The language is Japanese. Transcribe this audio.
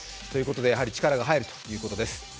やはり力が入るということです。